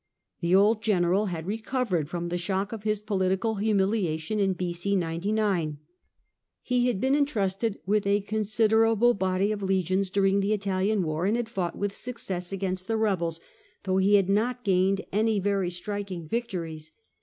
The old general had recovered from the shock of his political humiliation in B.O. 99. He had been entrusted with a considerable body of legions during the Italian war, and had fought with success against the rebels, though he had not gained any very striking SOLPIOIUS ATTACKS SULLA US victories.